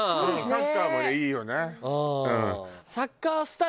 サッカーもいいよね。